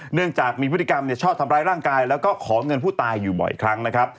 เนื่องจากมีพฤติกรรมชอบทำร้ายร่างกายแล้วก็ขอเงินผู้ตายอยู่บ่อยครั้งนะครับ